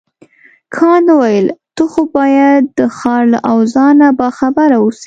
کانت وویل ته خو باید د ښار له اوضاع نه باخبره اوسې.